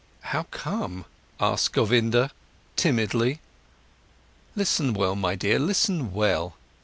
"How come?" asked Govinda timidly. "Listen well, my dear, listen well!